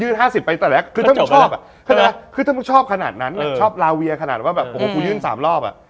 ยืด๕๐ไปแต่แหละคือถ้ามึงชอบขนาดนั้นชอบลาเวียขนาดว่าแบบโอ้โหกูยืน๓รอบอะ